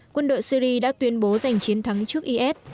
quân đội syri đã tuyên bố giành chiến thắng trước is